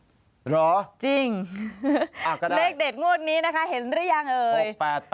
เหรอจริงเลขเด็ดงวดนี้นะคะเห็นหรือยังเอ่ย